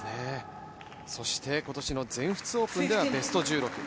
そして今年の全仏オープンではベスト１６。